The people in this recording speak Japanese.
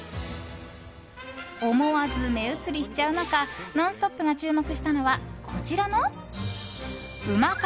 思わず目移りしちゃう中「ノンストップ！」が注目したのはこちらのウマ辛！